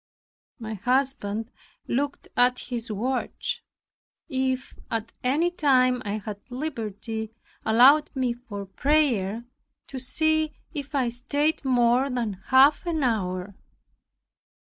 My husband looked at his watch, if at any time I had liberty allowed me for prayer, to see if I stayed more than half an hour.